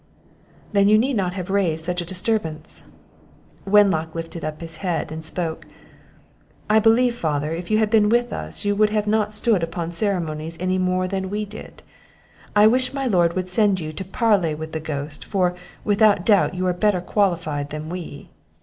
"Then you need not have raised such a disturbance." Wenlock lifted up his head, and spoke "I believe, father, if you had been with us, you would not have stood upon ceremonies any more than we did. I wish my lord would send you to parley with the ghost; for, without doubt, you are better qualified than we."